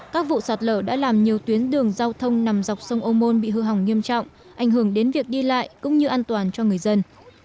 các vụ sạt lở đã làm nhiều tuyến đường giao thông nằm dọc sông âu môn bị hư hỏng nghiêm trọng ảnh hưởng đến việc đi lại cũng như an toàn cho người dân